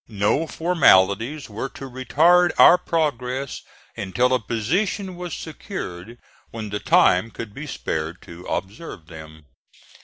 No formalities were to retard our progress until a position was secured when the time could be spared to observe them.